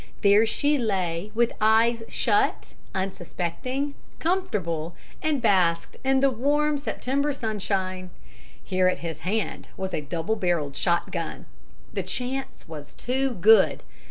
There she lay, with eyes shut, unsuspecting, comfortable, and basked in the warm September sunshine. Here at his hand was a double barreled shotgun. The chance was too good.